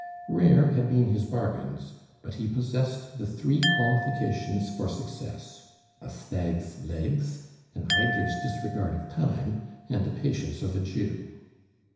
Rare had been his bargains; but he possessed the three qualifications for success a stag's legs, an idler's disregard of time, and the patience of a Jew.